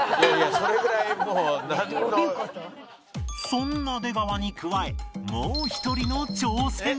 そんな出川に加えもう一人の挑戦者が